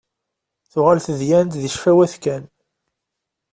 Tuɣal tedyant deg ccfawat kan.